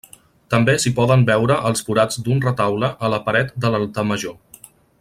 També s'hi poden veure els forats d'un retaule a la paret de l'altar major.